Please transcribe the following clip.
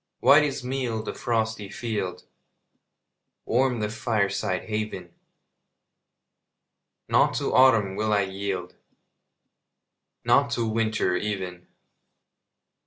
White as meal the frosty field Warm the fireside haven Not to autumn will I yield, Not to winter even!